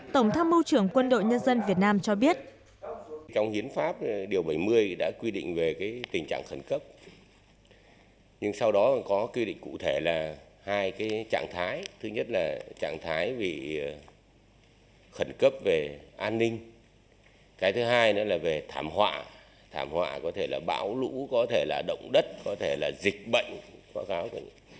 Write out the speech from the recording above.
tổng tham mưu trưởng quân đội nhân dân việt nam cho biết